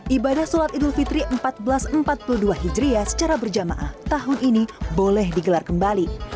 ibadah sholat idul fitri seribu empat ratus empat puluh dua hijriah secara berjamaah tahun ini boleh digelar kembali